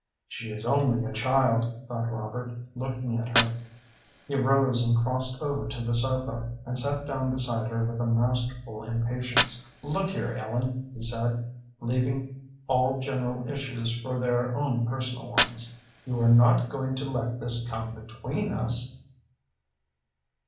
"She is only a child," thought Robert, looking at her. He rose and crossed over to the sofa, and sat down beside her with a masterful impatience. "Look here, Ellen," he said, leaving all general issues for their own personal ones, "you are not going to let this come between us?"